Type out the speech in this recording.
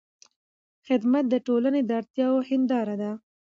خدمت د ټولنې د اړتیاوو هنداره ده.